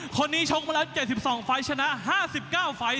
คนนี้ชกมาแล้ว๗๒ไฟล์ชนะ๕๙ไฟล์